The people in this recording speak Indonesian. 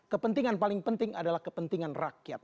kepentingan paling penting adalah kepentingan rakyat